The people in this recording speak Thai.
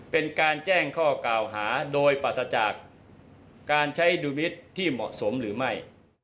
เป็นการแจ้งข้อกล่าวหาโดยปราศจากการใช้ดุลมิตรที่เหมาะสมหรือไม่